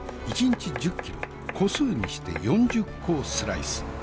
一日１０キロ個数にして４０個をスライス。